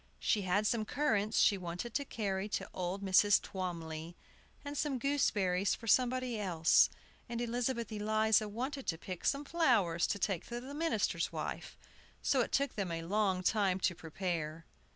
She had some currants she wanted to carry to old Mrs. Twomly, and some gooseberries for somebody else, and Elizabeth Eliza wanted to pick some flowers to take to the minister's wife, so it took them a long time to prepare.